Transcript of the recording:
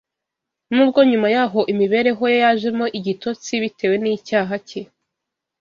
nubwo nyuma yaho imibereho ye yajemo igitotsi bitewe n’icyaha cye